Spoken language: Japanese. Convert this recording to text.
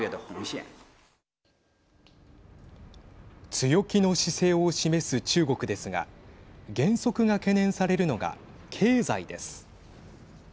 強気の姿勢を示す中国ですが減速が懸念されるのが経済です。